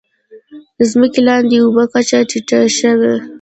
د ځمکې لاندې اوبو کچه ټیټه شوې؟